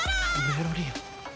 メロリア。